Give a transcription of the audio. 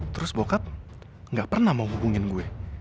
terus bokap nggak pernah mau hubungin gue